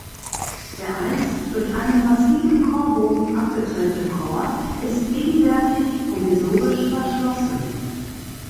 Der einst durch einen massiven Chorbogen abgetrennte Chor ist gegenwärtig provisorisch verschlossen.